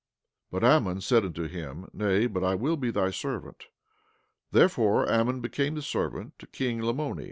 17:25 But Ammon said unto him: Nay, but I will be thy servant. Therefore Ammon became a servant to king Lamoni.